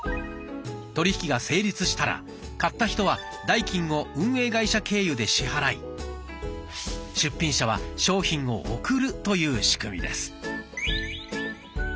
取り引きが成立したら買った人は代金を運営会社経由で支払い出品者は商品を送るという仕組みです。